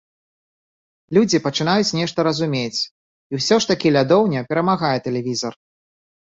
Людзі пачынаюць нешта разумець, і ўсё ж такі лядоўня перамагае тэлевізар.